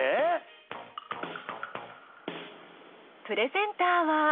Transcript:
プレゼンターは。